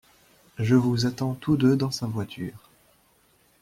Je vous attends tous deux dans sa voiture.